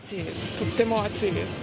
とっても暑いです。